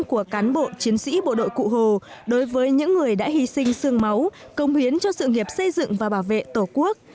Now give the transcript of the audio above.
của cán bộ chiến sĩ bộ đội cụ hồ đối với những người đã hy sinh sương máu công hiến cho sự nghiệp xây dựng và bảo vệ tổ quốc